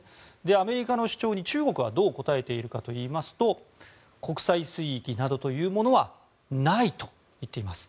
アメリカの主張に、中国はどう答えているかといいますと国際水域などというものはないと言っています。